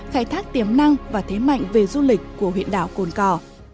khai thác tiềm năng và thế mạnh về du lịch của huyện đảo côn cò